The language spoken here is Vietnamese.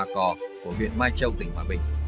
cò của huyện mai châu tỉnh hòa bình